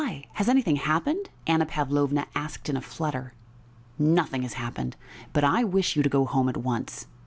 Has anything happened?" Anna Pavlovna asked in a flutter. "Nothing has happened, but I wish you to go home at once....